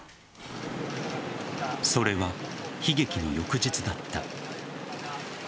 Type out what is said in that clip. それは悲劇の翌日だった。